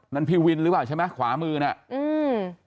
นั่นพี่วินหรือเปล่าใช่ไหมขวามือเนี่ย